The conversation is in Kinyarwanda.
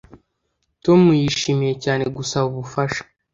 Tom yishimiye cyane gusaba ubufasha